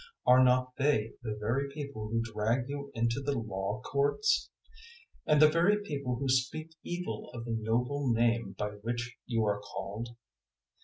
Are not they the very people who drag you into the Law courts? 002:007 and the very people who speak evil of the noble Name by which you are called?